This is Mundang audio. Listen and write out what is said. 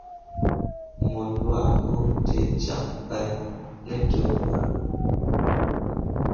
Mo lwa ko te ja bai ne dəwor.